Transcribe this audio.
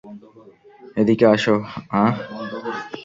এদিকে আসো - আহ!